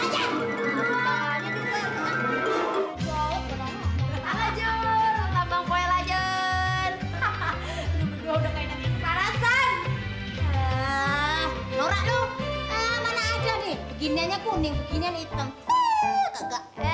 dia udah kote veel indaka